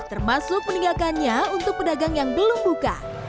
termasuk meninggalkannya untuk pedagang yang belum buka